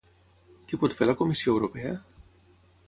Què pot fer la Comissió Europea?